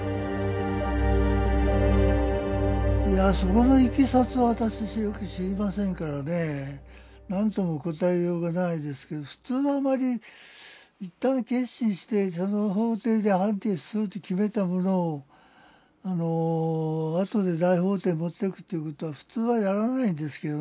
いやそこのいきさつは私よく知りませんからねなんとも答えようがないですけど普通はあまり一旦結審してその法廷で判決すると決めたものをあとで大法廷持ってくっていうことは普通はやらないんですけどね。